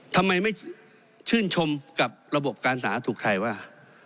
ทำไมไม่ชื่นชมกับระบบการสาธารณสุขไทยว่า